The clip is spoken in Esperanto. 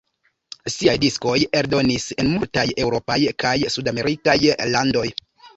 Siaj diskoj eldonis en multaj eŭropaj kaj sudamerikaj landoj.